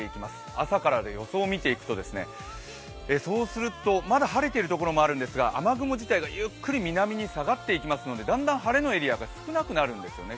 朝からの予想を見ていくと、まだ晴れているところもあるんですが雨雲自体がゆっくり南に下がっていきますので、だんだん晴れのエリアが少なくなるんですよね。